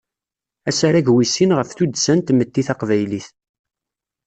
Asarag wis sin ɣef tuddsa n tmetti taqbaylit.